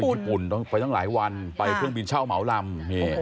ญี่ปุ่นต้องไปตั้งหลายวันไปเครื่องบินเช่าเหมาลำ